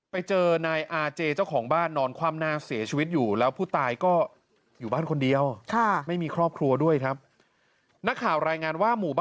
ไปเจอนายอาเจเจ้าของบ้านนอนความน่าเสียชีวิตอยู่